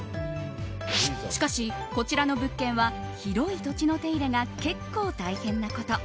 しかし、こちらの物件は広い土地の手入れが結構、大変なこと。